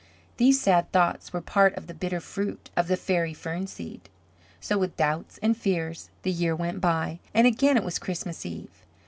These sad thoughts were part of the bitter fruit of the fairy fern seed. So with doubts and fears the year went by, and again it was Christmas Eve.